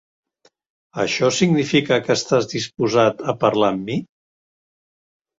Això significa que estàs disposat a parlar amb mi?